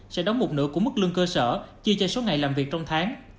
sẽ đóng một nửa của mức lương cơ sở chia cho số ngày làm việc trong tháng